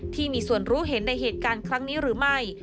ที่มีส่วนรู้เห็นในเหตุการณ์ครั้งนี้หรือไม่